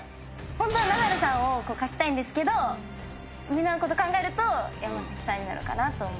ホントはナダルさんを書きたいんですけどみんなの事考えると山さんになるかなと思います。